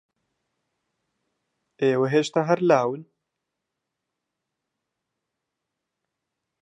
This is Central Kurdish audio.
ئێوە ھێشتا ھەر لاون.